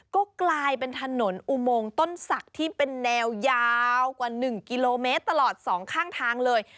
ก็กลายเป็นถนนอุโมงต้นศักดิ์ที่เป็นแนวยาวกว่า๑กิโลเมตรตลอดสองข้างทางเลย